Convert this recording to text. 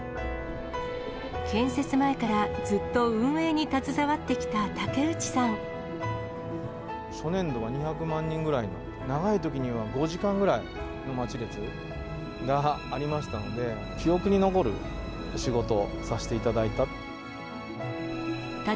建設前からずっと運営に携わ初年度は２００万人ぐらいの、長いときには５時間ぐらいの待ち列がありましたので、記憶に残る仕事をさせていただいた。